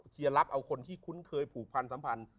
เชียรับเอาคนที่คุ้นเคยผศพันธ์สัมผัน